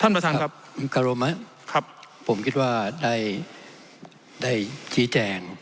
ท่านประธานครับครับผมคิดว่าได้ได้ชี้แจ่ง